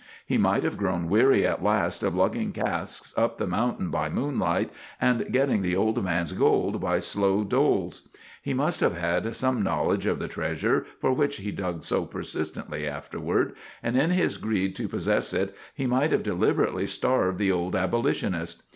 He might have grown weary at last of lugging casks up the mountain by moonlight, and getting the old man's gold by slow doles. He must have had some knowledge of the treasure for which he dug so persistently afterward, and in his greed to possess it he might have deliberately starved the old abolitionist.